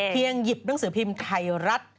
หยิบหนังสือพิมพ์ไทยรัฐ